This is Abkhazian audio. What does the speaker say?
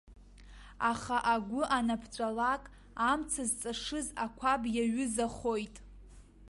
Аха агәы аныԥҵәалак, амца зҵашыз ақәаб инаҩызахоит.